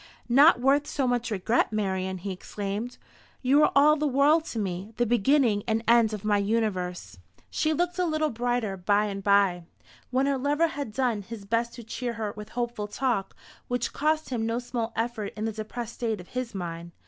"Not worth so much regret, Marian!" he exclaimed. "You are all the world to me; the beginning and end of my universe." She looked a little brighter by and by, when her lover had done his best to cheer her with hopeful talk, which cost him no small effort in the depressed state of his mind.